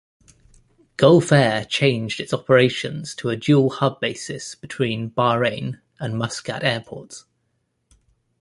Gulf Air changed its operations to a dual-hub basis between Bahrain and Muscat airports.